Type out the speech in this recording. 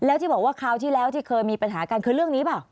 แล้วที่บอกว่าคราวที่แล้วที่เคยมีปัญหากันคือเรื่องนี้เปล่า